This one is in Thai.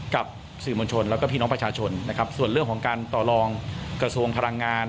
กับสื่อมวลชนแล้วก็พี่น้องประชาชนนะครับส่วนเรื่องของการต่อรองกระทรวงพลังงาน